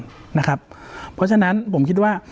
เพราะฉะนั้นผมคิดว่า